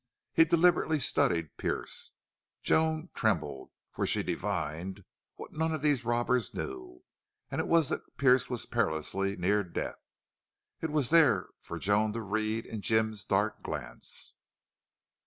He deliberately studied Pearce. Joan trembled, for she divined what none of these robbers knew, and it was that Pearce was perilously near death. It was there for Joan to read in Jim's dark glance.